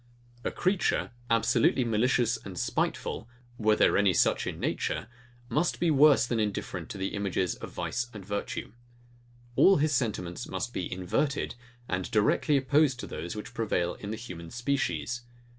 A creature, absolutely malicious and spiteful, were there any such in nature, must be worse than indifferent to the images of vice and virtue. All his sentiments must be inverted, and directly opposite to those, which prevail in the human species.